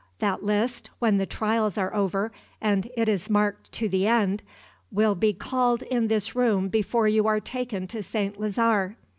That list, when the trials are over and it is marked to the end, will be called in this room before you are taken to St. Lazare.